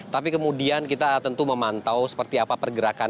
tapi kemudian kita tentu memantau seperti apa pergerakan